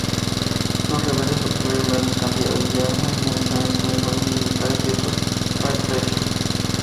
Los rebeldes obtuvieron grandes cantidades de armas y municiones, uniformes militares y otros pertrechos.